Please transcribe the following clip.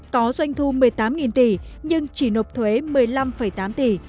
có doanh thu một mươi tám tỷ nhưng chỉ nộp thuế một mươi năm tám tỷ